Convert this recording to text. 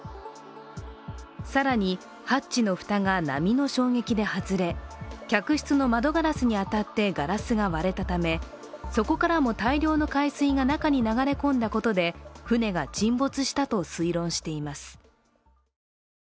更に、ハッチの蓋が波の衝撃で外れ、客室の窓ガラスに当たってガラスが割れたためそこからも大量の海水が中に流れ込んだことで船が沈没したと推論しています。